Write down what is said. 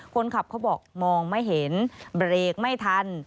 เขาบอกมองไม่เห็นเบรกไม่ทัน